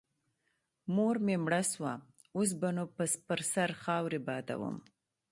مور مې مړه سوه اوس به نو پر سر خاورې بادوم.